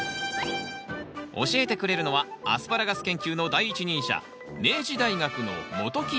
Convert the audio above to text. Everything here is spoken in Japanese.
教えてくれるのはアスパラガス研究の第一人者